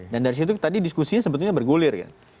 dan dari situ tadi diskusinya sebetulnya bergulir gitu